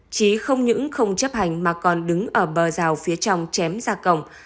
trí không những không chấp hành mà còn đứng ở bờ rào phía trong chém ra cổng